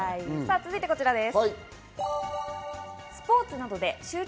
続いてこちらです。